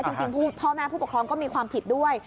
จริงพ่อแม่ผู้ปกครองก็มีความผิดด้วย